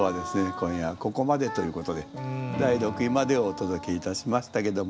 今夜はここまでということで第６位までをお届けいたしましたけども。